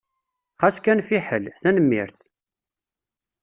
Xas kan fiḥel! Tanemmirt.